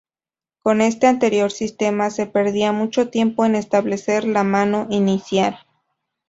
Con este anterior sistema se perdía mucho tiempo en establecer la mano inicial.